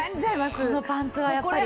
このパンツはやっぱり。